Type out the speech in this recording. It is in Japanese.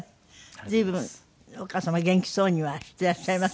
随分お母様元気そうにはしていらっしゃいますよね。